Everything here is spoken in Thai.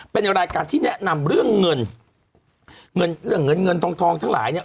เป็นรายการที่แนะนำเรื่องเงินเงินเรื่องเงินเงินทองทองทั้งหลายเนี่ย